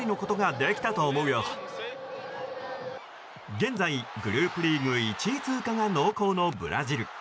現在、グループリーグ１位通過が濃厚のブラジル。